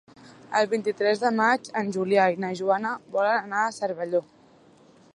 El vint-i-tres de maig en Julià i na Joana volen anar a Cervelló.